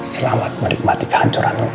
selamat menikmati kehancuran lo al